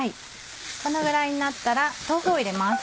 このぐらいになったら豆腐を入れます。